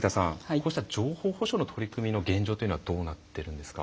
こうした情報保障の取り組みの現状というのはどうなってるんですか？